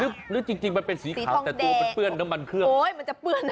หรือจริงมันเป็นสีท้องแดงสีทองแดง